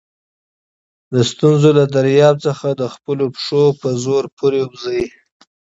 د ستونزي له دریاب څخه د خپلو پښو په زور پورېوځئ!